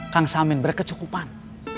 kang samin berkecukupan